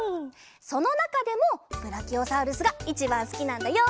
そのなかでもブラキオサウルスがいちばんすきなんだよ！